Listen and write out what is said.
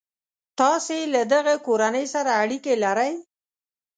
تاسي له دغه کورنۍ سره اړیکي لرئ.